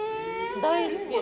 大好き。